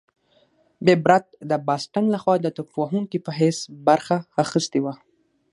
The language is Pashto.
بېب رت د باسټن لخوا د توپ وهونکي په حیث برخه اخیستې وه.